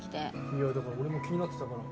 いやだから俺も気になってたから。